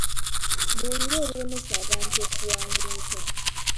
Mbuulira ebiremesa abantu okuwwandiika.